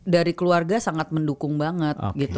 dari keluarga sangat mendukung banget